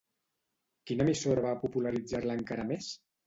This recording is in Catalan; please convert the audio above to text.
Quina emissora va popularitzar-la encara més?